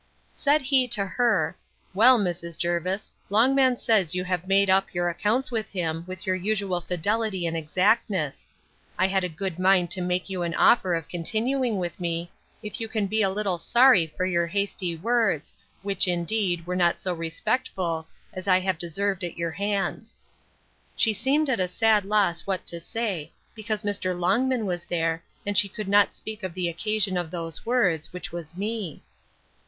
Said he to her, Well, Mrs. Jervis, Longman says you have made up your accounts with him with your usual fidelity and exactness. I had a good mind to make you an offer of continuing with me, if you can be a little sorry for your hasty words, which, indeed, were not so respectful as I have deserved at your hands. She seemed at a sad loss what to say, because Mr. Longman was there, and she could not speak of the occasion of those words, which was me.